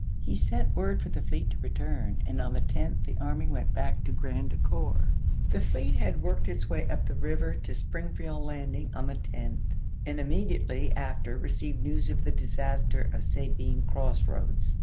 He sent word for the fleet to return, and on the 10th the army went back to Grand Ecore. The fleet had worked its way up the river to April, 1863. Springfield Landing on the 10th and immediately after received news of the disaster of Sabine Cross Eoads.